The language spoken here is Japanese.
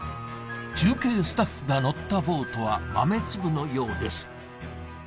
中継スタッフが乗ったボートは豆粒のようです